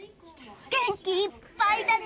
元気いっぱいだね！